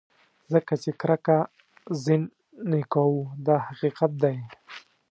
ځکه چې کرکه ځینې کوو دا حقیقت دی.